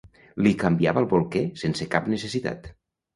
Li canviava el bolquer sense cap necessitat.